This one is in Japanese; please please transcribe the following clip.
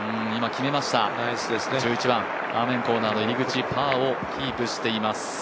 今、決めました、１１番アーメンコーナーの入り口、パーをキープしています。